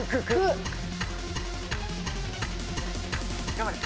頑張れ。